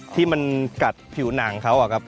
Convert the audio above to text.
ที่มันกัดผิวหนังเขา